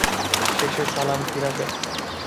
শেষে সালাম ফিরাবেন।